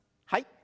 はい。